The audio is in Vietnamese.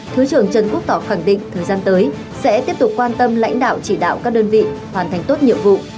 thứ trưởng trần quốc tỏ khẳng định thời gian tới sẽ tiếp tục quan tâm lãnh đạo chỉ đạo các đơn vị hoàn thành tốt nhiệm vụ